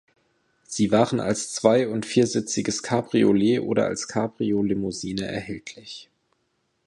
Sie waren als zwei- und viersitziges Cabriolet oder als Cabriolimousine erhältlich.